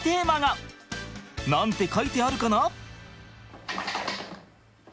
何て書いてあるかな？